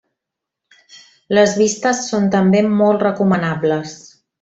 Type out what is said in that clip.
Les vistes són també molt recomanables.